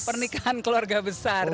pernikahan keluarga besar